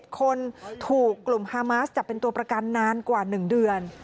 คนถูกกลุ่มฮามาสจับเป็นตัวประกันนานกว่า๑เดือน